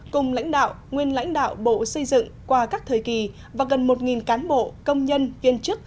cùng lãnh đạo nguyên lãnh đạo bộ xây dựng qua các thời kỳ và gần một cán bộ công nhân viên chức